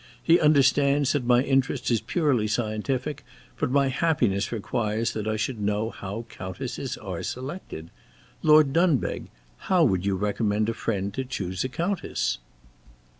He understands that my interest is purely scientific, but my happiness requires that I should know how Countesses are selected. Lord Dunbeg, how would you recommend a friend to choose a Countess?"